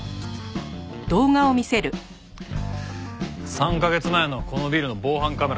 ３カ月前のこのビルの防犯カメラの映像だ。